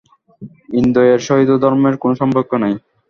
ইন্দ্রিয়ের সহিত ধর্মের কোন সম্পর্ক নাই।